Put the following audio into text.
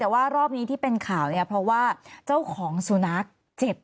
แต่ว่ารอบนี้ที่เป็นข่าวเนี่ยเพราะว่าเจ้าของสุนัขเจ็บ